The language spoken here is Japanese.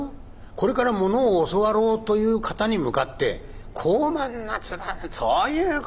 これからものを教わろうという方に向かって高慢な面そういうことを言って」。